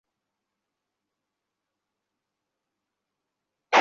লাশ দুটির ময়নাতদন্ত শেষে গতকাল রাতেই পারিবারিক কবরস্থানে দাফন করা হয়েছে।